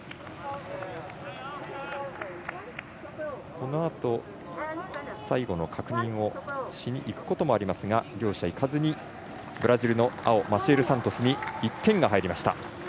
このあと最後の確認をしにいくこともありますが両者行かずにブラジルの青、マシエル・サントスに１点が入りました。